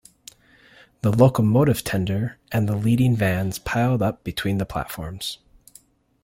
The locomotive tender and the leading vans piled up between the platforms.